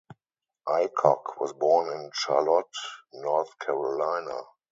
Aycock was born in Charlotte, North Carolina.